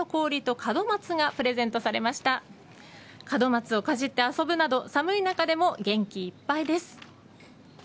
門松をかじって遊ぶなど寒い中でも元気いっぱいです。